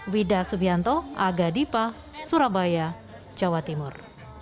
wida subianto aga dipa surabaya jawa timur